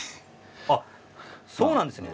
あっそうなんですね。